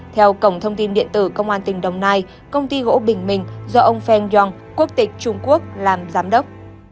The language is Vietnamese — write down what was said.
theo cổng thông tin điện tử công an tỉnh đồng nai công ty gỗ bình minh do ông feng yong quốc tịch trung quốc làm giám đốc